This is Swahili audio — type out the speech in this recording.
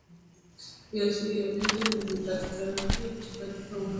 Viashiria vyote vinavyopatikana kwetu katika umoja wa Mataifa na umoja wa Afrika vinaonyesha kuwa